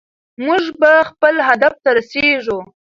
موږ به خپل هدف ته رسیږو.